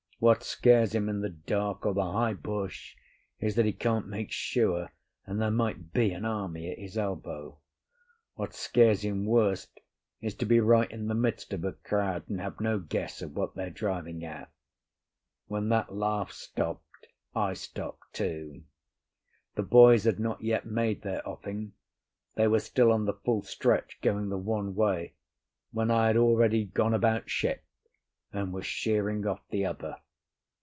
What scares him in the dark or the high bush is that he can't make sure, and there might be an army at his elbow. What scares him worst is to be right in the midst of a crowd, and have no guess of what they're driving at. When that laugh stopped, I stopped too. The boys had not yet made their offing, they were still on the full stretch going the one way, when I had already gone about ship and was sheering off the other.